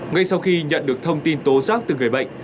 ngay sau khi nhận được thông tin tố giác từ người bệnh